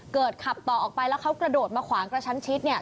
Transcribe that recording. ขับต่อออกไปแล้วเขากระโดดมาขวางกระชั้นชิดเนี่ย